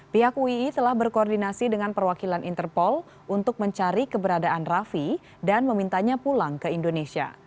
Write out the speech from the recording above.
pihak uii telah berkoordinasi dengan perwakilan interpol untuk mencari keberadaan rafi dan memintanya pulang ke indonesia